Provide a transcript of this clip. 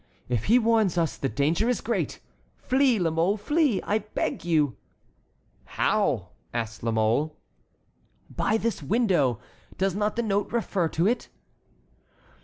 "If he warns us, the danger is great. Flee, La Mole, flee, I beg you." "How?" asked La Mole. "By this window. Does not the note refer to it?"